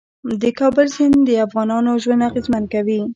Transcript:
د کابل سیند د افغانانو ژوند اغېزمن کوي.